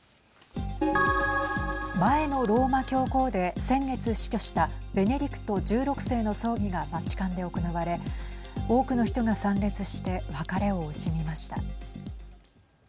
前のローマ教皇で先月死去したベネディクト１６世の葬儀がバチカンで行われ多くの人が参列して別れを惜しみました。